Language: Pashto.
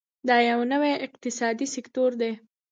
دا یو نوی اقتصادي سکتور دی.